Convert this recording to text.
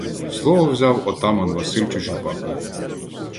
Слово взяв отаман Василь Чучупака: